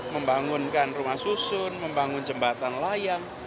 membangunkan rumah susun membangun jembatan layang